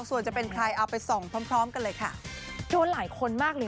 ส่วนจะเป็นใครเอาไปส่องพร้อมพร้อมกันเลยค่ะโดนหลายคนมากเลย